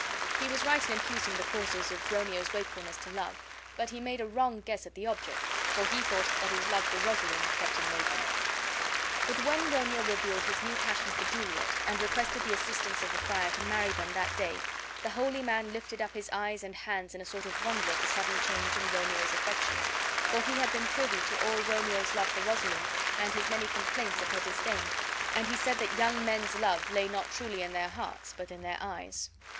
He was right in imputing the cause of Romeo's wakefulness to love, but he made a wrong guess at the object, for he thought that his love for Rosaline had kept him waking. But when Romeo revealed his new passion for Juliet, and requested the assistance of the friar to marry them that day, the holy man lifted up his eyes and hands in a sort of wonder at the sudden change in Romeo's affections, for he had been privy to all Romeo's love for Rosaline and his many complaints of her disdain; and he said that young men's love lay not truly in their hearts, but in their eyes.